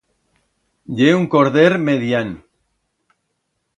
Ye un corder medián.